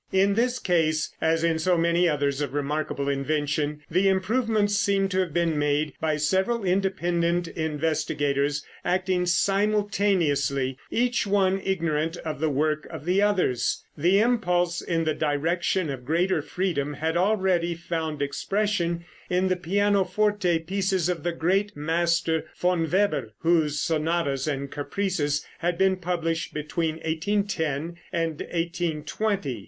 In this case, as in so many others of remarkable invention, the improvements seem to have been made by several independent investigators acting simultaneously, each one ignorant of the work of the others. The impulse in the direction of greater freedom had already found expression in the pianoforte pieces of the great master, Von Weber, whose sonatas and caprices had been published between 1810 and 1820. (See pp. 410 and 411.)